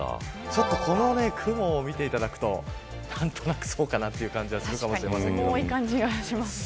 この雲を見ていただくと何となくそうかなという感じがするかもしれません。